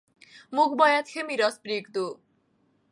موږ باید ښه میراث پریږدو.